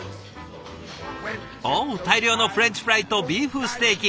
お大量のフレンチフライとビーフステーキ。